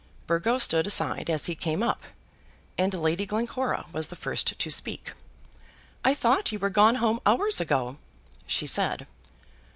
Burgo stood aside as he came up, and Lady Glencora was the first to speak. "I thought you were gone home hours ago," she said.